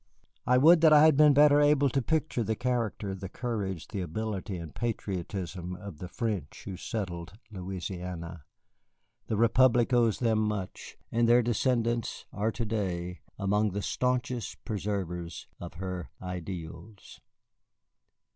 I would that I had been better able to picture the character, the courage, the ability, and patriotism of the French who settled Louisiana. The Republic owes them much, and their descendants are to day among the stanchest preservers of her ideals.